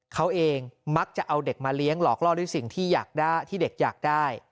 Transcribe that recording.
เขาเองมักจะเอาเด็กมาเลี้ยงหลอกล่อด้วยสิ่งที่เด็กอยากได้